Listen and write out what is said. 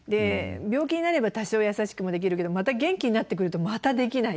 病気になれば多少優しくもできるけどまた元気になってくるとまたできない。